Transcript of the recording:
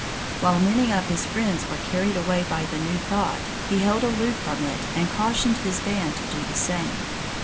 While many of his friends were carried away by the new thought, he held aloof from it and cautioned his band to do the same.